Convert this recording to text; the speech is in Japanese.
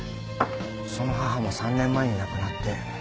その母も３年前に亡くなって。